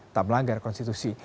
tak melanggar konstitusi